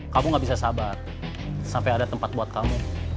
kamu gak bisa sabar sampai ada tempat buat kamu